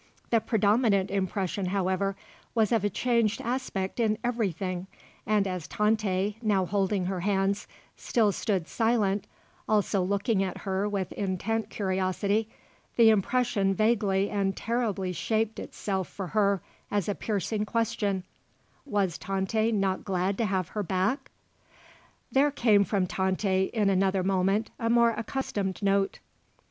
The predominant impression, however, was of a changed aspect in everything, and as Tante, now holding her hands, still stood silent, also looking at her with intent curiosity, the impression vaguely and terribly shaped itself for her as a piercing question: Was Tante not glad to have her back? There came from Tante in another moment a more accustomed note.